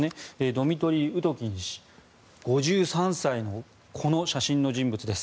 ドミトリー・ウトキン氏５３歳のこの写真の人物です。